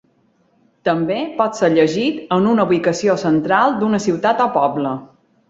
També pot ser llegit en una ubicació central d'una ciutat o poble.